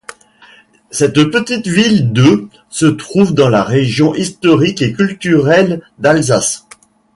Cette petite ville de se trouve dans la région historique et culturelle d'Alsace.